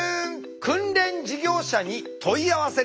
「訓練事業者に問い合わせる」。